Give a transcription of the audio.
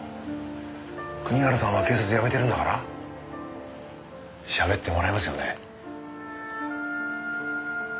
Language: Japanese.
国原さんは警察辞めてるんだから喋ってもらえますよね？